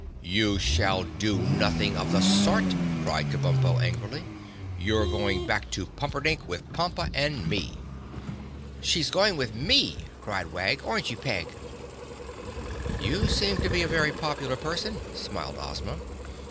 "You shall do nothing of the sort," cried Kabumpo angrily. "You're going back to Pumperdink with Pompa and me." "She's going with me," cried Wag. "Aren't you, Peg?" "You seem to be a very popular person," smiled Ozma.